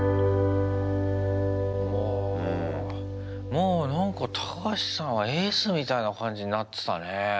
もうなんか、タカハシさんはエースみたいな感じになってたね。